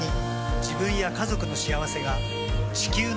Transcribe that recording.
自分や家族の幸せが地球の幸せにつながっている。